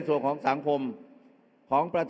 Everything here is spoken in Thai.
เอาข้างหลังลงซ้าย